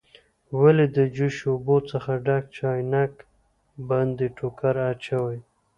ولې د جوش اوبو څخه ډک چاینک باندې ټوکر اچوئ؟